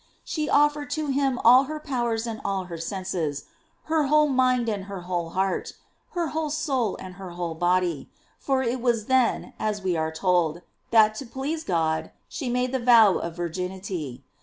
She offered to him all her powers and all her senses, her whole mind and her whole heart, her whole soul and her whole body, for it was then, as we are told, that to please God, she made the vow of virginity.